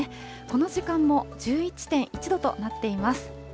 この時間も１１．１度となっています。